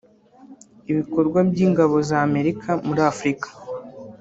ibikorwa by’ingabo za Amerika muri Afurika